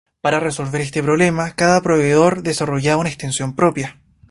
Para resolver este problema, cada proveedor desarrollaba una extensión propia.